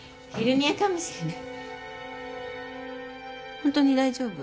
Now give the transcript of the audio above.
ホントに大丈夫。